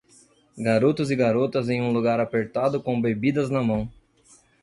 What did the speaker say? Garotos e garotas em um lugar apertado com bebidas na mão.